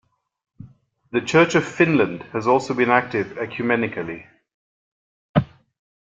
The Church of Finland has also been active ecumenically.